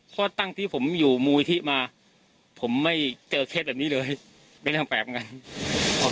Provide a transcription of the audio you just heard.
ข้อตั้งที่ผมอยู่มูลนิธิมาผมไม่เจอเคสแบบนี้เลยเป็นเรื่องแปลกเหมือนกัน